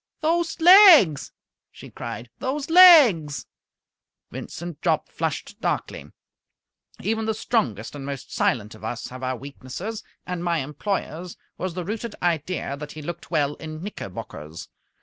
"Those legs!" she cried. "Those legs!" Vincent Jopp flushed darkly. Even the strongest and most silent of us have our weaknesses, and my employer's was the rooted idea that he looked well in knickerbockers.